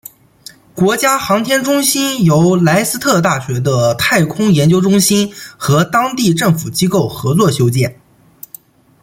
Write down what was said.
国家航天中心由莱斯特大学的太空研究中心和当地政府机构合作修建。